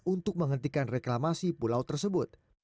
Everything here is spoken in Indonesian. untuk menghentikan reklamasi pulau tersebut